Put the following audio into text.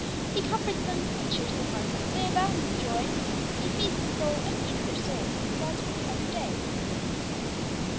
He comforts them and cheeres their hearts, that they abound with joy; He feedes them full and feedes their souls with Gods word every day.